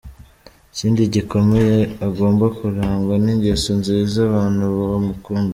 Ikindi gikomeye, agomba kurangwa n’ingeso nziza, abantu bamukunda.